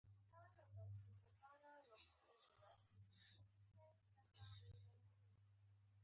د ابوزید د معنای متن کتاب تازه خپور شوی و.